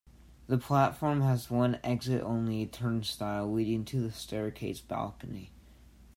The platform has one exit-only turnstile leading to the staircase balcony.